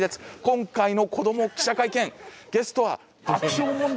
今回の「子ども記者会見」ゲストは爆笑問題の。